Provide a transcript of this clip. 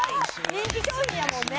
人気商品やもんね